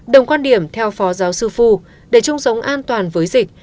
đồng quan điểm theo phó giáo sư phu để chung sống an toàn với dịch